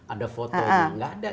ada foto nggak ada